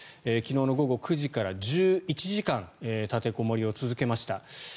昨日の午後９時から１１時間立てこもりを続けました。